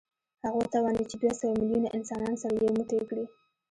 هغه وتوانېد چې دوه سوه میلیونه انسانان سره یو موټی کړي